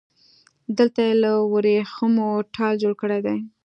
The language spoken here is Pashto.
دلته يې له وريښمو ټال جوړ کړی دی